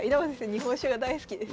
日本酒が大好きです。